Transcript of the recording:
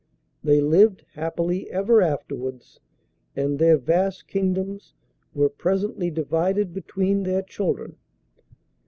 They lived happily ever afterwards, and their vast kingdoms were presently divided between their children.